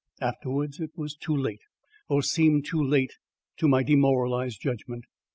Afterwards, it was too late or seemed too late to my demoralised judgment.